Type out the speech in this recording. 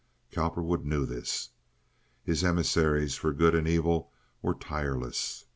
Cowperwood knew this. His emissaries for good and evil were tireless.